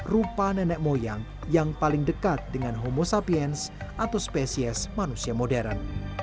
rupa nenek moyang yang paling dekat dengan homosapience atau spesies manusia modern